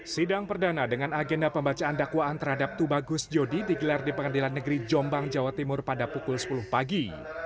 sidang perdana dengan agenda pembacaan dakwaan terhadap tubagus jodi digelar di pengadilan negeri jombang jawa timur pada pukul sepuluh pagi